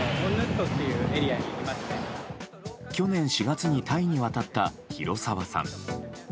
去年４月にタイに渡った廣澤さん。